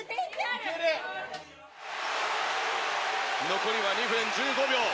残りは２分１５秒。